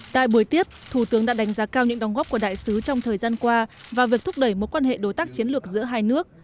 tại buổi tiếp thủ tướng đã đánh giá cao những đóng góp của đại sứ trong thời gian qua và việc thúc đẩy mối quan hệ đối tác chiến lược giữa hai nước